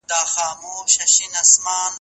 د قانون ماتونکي باید ونیول سي.